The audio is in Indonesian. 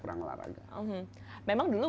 kurang olahraga memang dulu